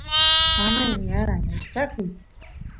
mamay niyara ñaqchakuy